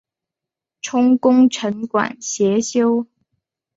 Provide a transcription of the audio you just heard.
充功臣馆协修。